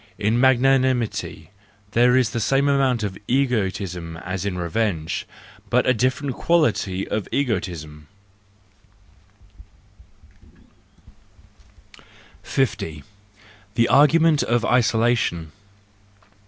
In magnanimity THE JOYFUL WISDOM, I 87 there is the same amount of egoism as in revenge, but a different quality of egoism. 50. The A rgument of Isolation, .